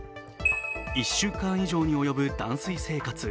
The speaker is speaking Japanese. １週間以上に及ぶ断水生活。